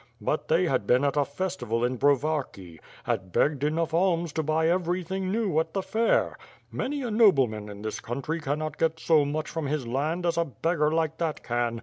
But they had been at a festival in Brovarki; had begged enough alms to buy everything new at the fair. Manya nobleman in this country cannot got so much from his land as a beggar like that can.